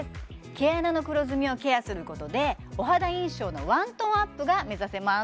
毛穴の黒ずみをケアすることでお肌印象のワントーンアップが目指せます